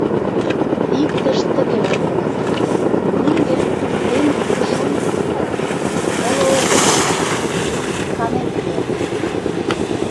Иктышт тыге ойленыт: «Врунгель — теҥызысе шоҥго пире — моло огыл, тудо кызыт канен ила».